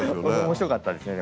面白かったですね。